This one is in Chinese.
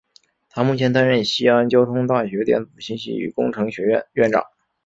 他目前担任西安交通大学电子信息与工程学院院长。